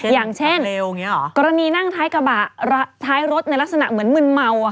อย่างเช่นกรณีนั่งท้ายกระบะท้ายรถในลักษณะเหมือนมึนเมา